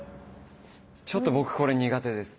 ちょっと僕これ苦手です。